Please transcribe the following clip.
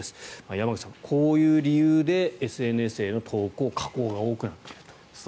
山口さん、こういう理由でＳＮＳへの投稿加工が多くなっていると。